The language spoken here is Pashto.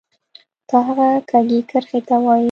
تا هغه کږې کرښې ته وایې